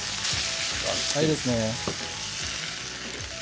いいですね。